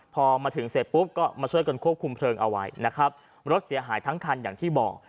พอมาถึงเสร็จปุ๊บก็มาช่วยกันควบคุมเพลิงเอาไว้นะครับรถเสียหายทั้งคันอย่างที่บอก